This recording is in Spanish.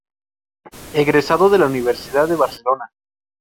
Egresado de la Universidad de Barcelona.